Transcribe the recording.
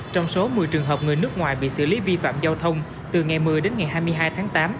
trong số một mươi trường hợp người nước ngoài bị xử lý vi phạm giao thông từ ngày một mươi đến ngày hai mươi hai tháng tám